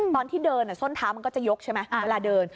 ตอนที่เดินส้นเท้ามันก็จะยกใช่ไหมเวลาเดิน